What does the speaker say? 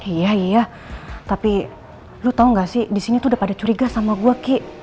iya iya tapi lu tahu nggak sih disini tuh udah pada curiga sama gue ki